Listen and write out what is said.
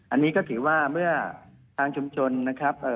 อันนี้ก็ถือว่าเมื่อทางชุมชนนะครับ